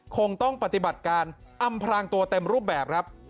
คงต้องปฏิบัติการอำพรางตัวเต็มรูปแบบครับ